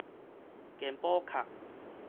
健保卡